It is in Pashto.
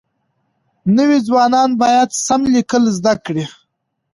نوي ځوانان بايد سم ليکل زده کړي.